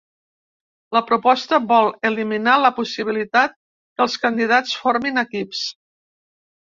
La proposta vol eliminar la possibilitat que els candidats formin equips.